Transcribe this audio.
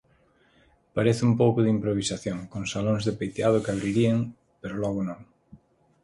Parece un pouco de improvisación, con salóns de peiteado que abrirían, pero logo, non.